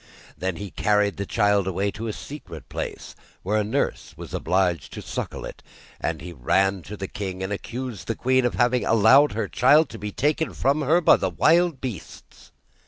Then he carried the child away to a secret place, where a nurse was obliged to suckle it, and he ran to the king and accused the queen of having allowed her child to be taken from her by the wild beasts.